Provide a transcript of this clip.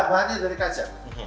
bahannya dari kaca